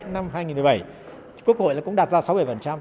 năm hai nghìn một mươi bảy quốc hội cũng đạt ra sáu bảy